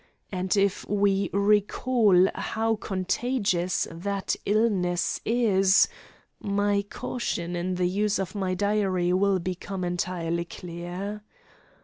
And if we recall how contagious that illness is, my caution in the use of my "Diary" will become entirely clear.